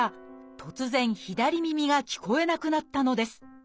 突然左耳が聞こえなくなったのです。